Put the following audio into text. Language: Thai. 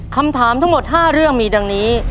คำถามทั้งหมด๕เรื่องมีดังนี้